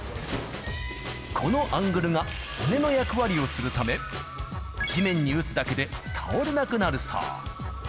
このアングルが、骨の役割をするため、地面に打つだけで倒れなくなるそう。